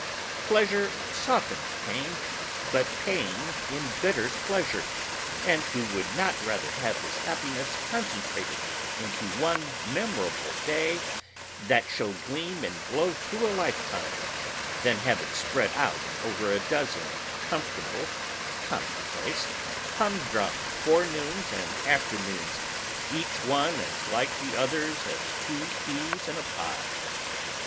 Pleasure softens pain, but pain embitters pleasure; and who would not rather have his happiness concentrated into one memorable day, that shall gleam and glow through a lifetime, than have it spread out over a dozen comfortable, commonplace, humdrum forenoons and afternoons, each one as like the others as two peas in a pod?